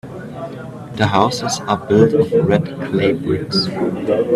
The houses are built of red clay bricks.